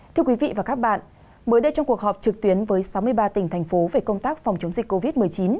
thưa quý vị và các bạn mới đây trong cuộc họp trực tuyến với sáu mươi ba tỉnh thành phố về công tác phòng chống dịch covid một mươi chín